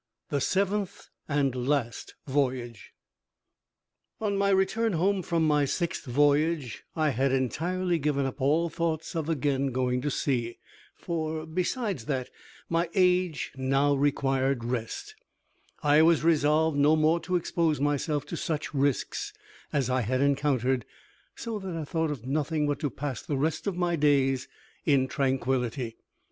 THE SEVENTH AND LAST VOYAGE On my return home from my sixth voyage, I had entirely given up all thoughts of again going to sea; for, besides that my age now required rest, I was resolved no more to expose myself to such risks as I had encountered, so that I thought of nothing but to pass the rest of my days in tranquillity.